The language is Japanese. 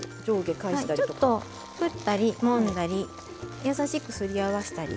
ちょっと振ったりもんだり優しくすり合わしたり。